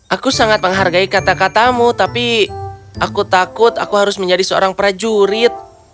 aku sangat menghargai kata katamu tapi aku takut aku harus menjadi seorang prajurit